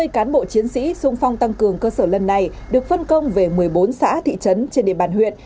sáu mươi cán bộ chiến sĩ sung phong tăng cường cơ sở lần này được phân công về một mươi bốn xã thị trấn trên địa bàn huyện